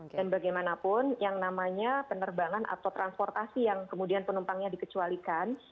dan bagaimanapun yang namanya penerbangan atau transportasi yang kemudian penumpangnya dikecualikan